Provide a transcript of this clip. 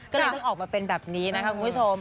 ก็เลยต้องออกมาเป็นแบบนี้นะคะคุณผู้ชม